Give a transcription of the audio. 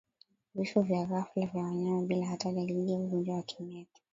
Vifo vya ghafla vya wanyama bila hata dalili ya ugonjwa wa kimeta